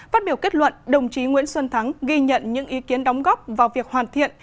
phát biểu kết luận đồng chí nguyễn xuân thắng ghi nhận những ý kiến đóng góp vào việc hoàn thiện